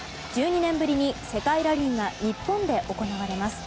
１２年ぶりに世界ラリーが日本で行われます。